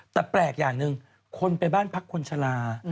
แต่แปลกอย่างหนึ่งคนไปบ้านพักคนชะลา